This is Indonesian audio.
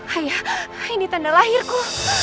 ayah ini tanda lahirku